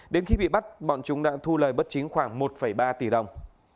đến khi bị bắt bọn chúng đã thu lời bất chính khoảng một ba tỷ đồng